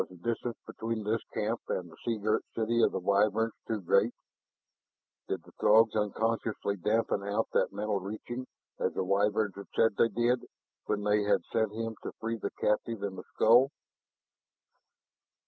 Was the distance between this camp and the seagirt city of the Wyverns too great? Did the Throgs unconsciously dampen out that mental reaching as the Wyverns had said they did when they had sent him to free the captive in the skull?